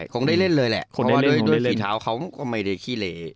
ของเขายังไม่ได้ขี้เล